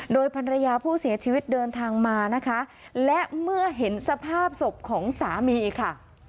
โดยภรรยาผู้เสียชีวิตเดินทางมานะคะและเมื่อเห็นสภาพศพของสามีค่ะ